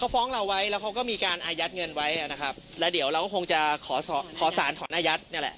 ฟ้องเราไว้แล้วเขาก็มีการอายัดเงินไว้นะครับแล้วเดี๋ยวเราก็คงจะขอขอสารถอนอายัดนี่แหละ